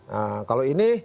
nah kalau ini